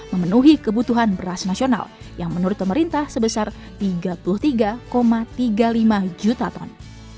memenuhi kebutuhan beras nasional yang menurut pemerintah sebesar tiga puluh tiga tiga puluh lima juta ton